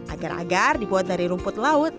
agar agar dibuat dari rumput laut